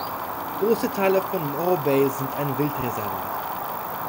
Große Teile von Morro Bay sind ein Wildreservat.